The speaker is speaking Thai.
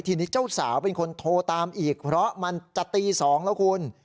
ทีนี้เจ้าสาวเป็นคนโทรตามอีกเพราะมันจะตี๒แล้วคุณ